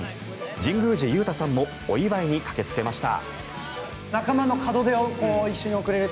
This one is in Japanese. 神宮寺勇太さんもお祝いに駆けつけました。